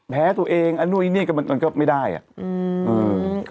แพ้ตัวเองอันนู้นอันนี้มันก็ไม่ได้อะ